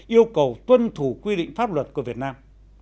yêu cầu tuân thủ quy định pháp luật của việt nam